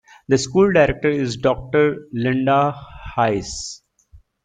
The School Director is Doctor Lynda Hayes.